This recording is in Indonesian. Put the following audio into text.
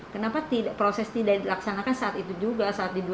kenapa proses tidak dilaksanakan saat itu juga saat di dua ribu sembilan